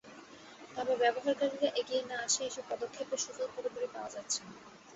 তবে ব্যবহারকারীরা এগিয়ে না আসায় এসব পদক্ষেপের সুফল পুরোপুরি পাওয়া যাচ্ছে না।